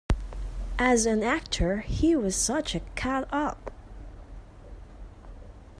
As an actor, he was such a cut-up.